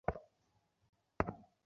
ভাই, সে!